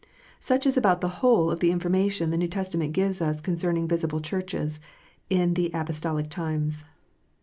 Such is about the whole of the information the New Testa ment gives us concerning visible Churches in the apostolic times.